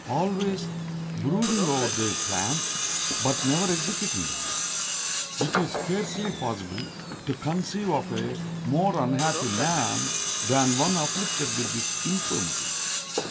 Always brooding over their plans, but never executing them. It is scarcely possible to conceive of a more unhappy man than one afflicted with this infirmity.